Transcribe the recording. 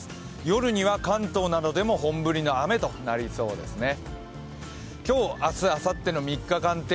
夜には関東南部でも本降りの雨となりそうですね。